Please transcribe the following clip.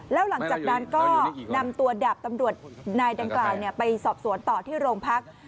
แล้วหลังจากนั้นก็นำตัวดาบตำรวจนายดังกล่าวไปสอบสวนต่อที่โรงพัก